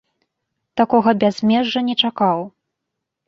Такога бязмежжа не чакаў.